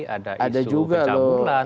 ada isu kecabulan